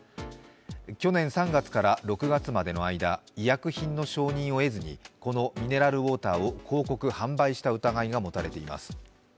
去年３月から６月までの間、医薬品の承認を得ずにこのミネラルウォーターを広告・販売した疑いが持たれています。